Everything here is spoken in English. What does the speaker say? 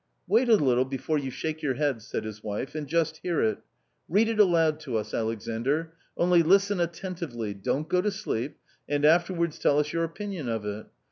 " Wait a little before you shake your head," said his wife, "and just hear it Read it aloud to us, Alexandr. Only listen attentively, don't go to sleep, and afterwards tell us your opinion of it.